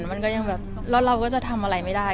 แล้วเราก็จะทำอะไรไม่ได้